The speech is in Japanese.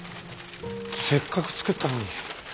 せっかく作ったのに。